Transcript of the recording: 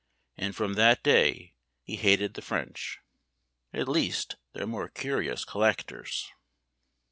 and from that day he hated the French at least their more curious collectors!